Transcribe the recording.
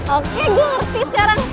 oke gue ngerti sekarang